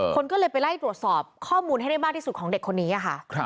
คนก็เลยไปไล่ตรวจสอบข้อมูลให้ได้มากที่สุดของเด็กคนนี้ค่ะ